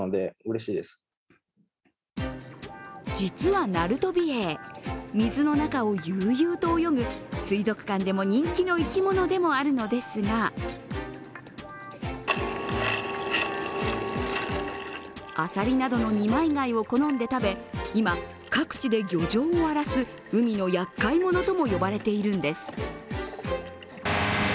実はナルトビエイ、水の中を悠々と泳ぐ水族館でも人気の生きものでもあるのですがアサリなどの二枚貝を好んで食べ、今、各地で漁場を荒らす海のやっかい者とも呼ばれているんです。